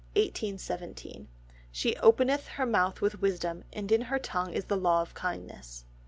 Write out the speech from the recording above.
'She openeth her mouth with wisdom and in her tongue is the law of kindness.